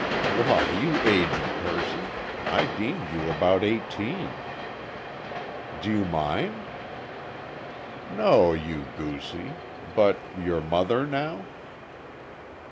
"Why, you aged person! I deemed you about eighteen." "Do you mind?" "No; you goosie! But—your mother, now?"